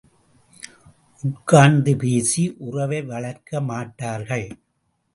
உட்கார்ந்து பேசி உறவை வளர்க்க மாட்டார்கள்!